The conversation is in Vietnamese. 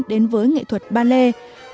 đến với nghệ thuật ballet